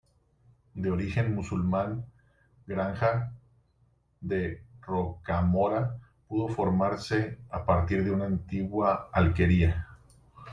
De origen musulmán, Granja de Rocamora pudo formarse a partir de una antigua alquería.